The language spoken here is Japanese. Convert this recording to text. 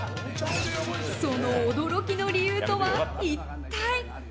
その驚きの理由とは一体？